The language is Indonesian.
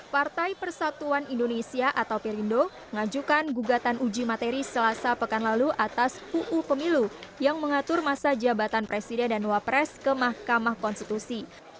partai persatuan indonesia atau perindo mengajukan gugatan uji materi selasa pekan lalu atas uu pemilu yang mengatur masa jabatan presiden dan wapres ke mahkamah konstitusi